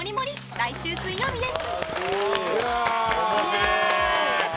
来週水曜日です。